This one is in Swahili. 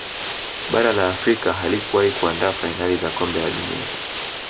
bara la Afrika halikuwahi kuandaa fainali za kombe la dunia